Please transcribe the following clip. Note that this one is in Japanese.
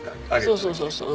そうそうそうそう。